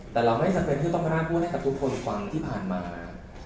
แต่เราไม่จำเป็นที่ต้องมานั่งพูดให้กับทุกคนฟังที่ผ่านมา